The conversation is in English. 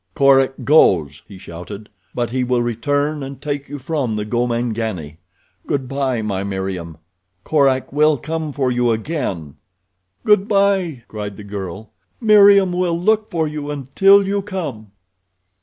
"Korak goes," he shouted; "but he will return and take you from the Gomangani. Good bye, my Meriem. Korak will come for you again." "Good bye!" cried the girl. "Meriem will look for you until you come."